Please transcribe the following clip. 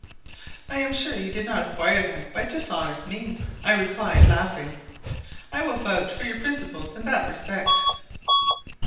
"I am sure you did not acquire them by dishonest means," I replied, laughing; "I will vouch for your principles in that respect."